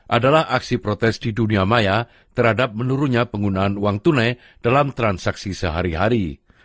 adalah aksi protes di dunia maya terhadap menurunnya penggunaan uang tunai dalam transaksi sehari hari